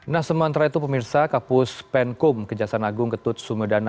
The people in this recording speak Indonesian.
nah sementara itu pemirsa kapus penkum kejaksaan agung ketut sumedana